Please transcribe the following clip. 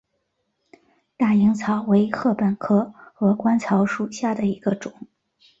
大颖草为禾本科鹅观草属下的一个种。